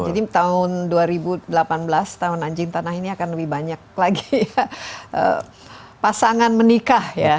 jadi tahun dua ribu delapan belas tahun anjing tanah ini akan lebih banyak lagi pasangan menikah ya